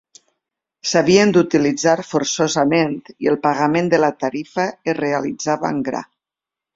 S'havien d'utilitzar forçosament i el pagament de la tarifa es realitzava amb gra.